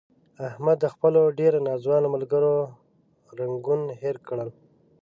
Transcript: احمد د خپلو ډېرو ناځوانه ملګرو رنګون هیر کړل.